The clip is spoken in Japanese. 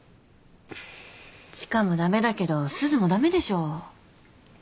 千佳も駄目だけどすずも駄目でしょ。